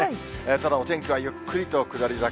ただ、お天気はゆっくりと下り坂。